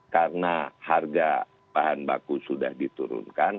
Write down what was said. karena harga bahan baku sudah diturunkan